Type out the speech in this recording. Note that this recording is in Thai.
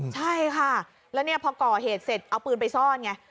ใช่ค่ะแล้วเนี่ยพอก่อเหตุเสร็จเอาปืนไปซ่อนไง